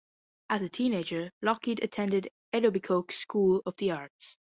As a teenager, Lougheed attended Etobicoke School of the Arts.